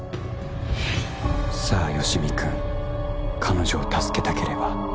「さあ吉見君彼女を助けたければ」